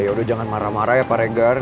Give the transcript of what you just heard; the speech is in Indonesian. ya udah jangan marah marah ya pak regar